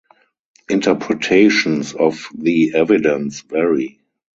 Interpretations of the evidence vary.